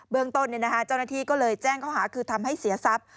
เมืองต้นเจ้าหน้าที่ก็เลยแจ้งข้อหาคือทำให้เสียทรัพย์